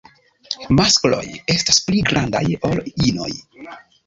Maskloj estas pli grandaj ol inoj.